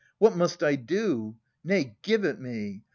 What must I do? Nay, give it me.